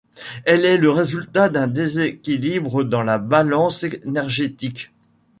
Elle est le résultat d'un déséquilibre dans la balance énergétique.